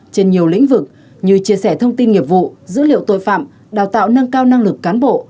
trên nhiều lĩnh vực như chia sẻ thông tin nghiệp vụ dữ liệu tội phạm đào tạo nâng cao năng lực cán bộ